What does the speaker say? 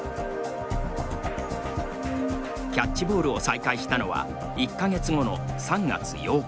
キャッチボールを再開したのは１か月後の３月８日。